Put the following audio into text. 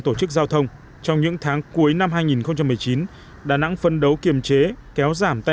tổ chức giao thông trong những tháng cuối năm hai nghìn một mươi chín đà nẵng phân đấu kiềm chế kéo giảm tai